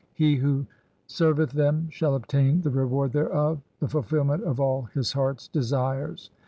He who serveth them shall obtain the reward thereof — the fulfilment of all his heart's desires.